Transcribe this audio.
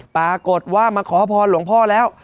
ปรากฏว่ามาขอพรหลวงพ่อแล้ว